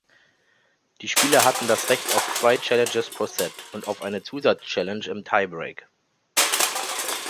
Die Spieler hatten das Recht auf zwei Challenges pro Set, und auf eine Zusatz-Challenge im Tiebreak.